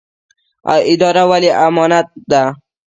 اداره ولې امانت ده؟